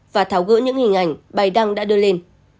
và tháo gỡ những hình ảnh bài đăng đã đưa lên